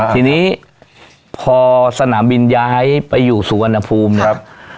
ทีนี้พอสนามบินย้ายไปอยู่สุวรรณภูมินะครับ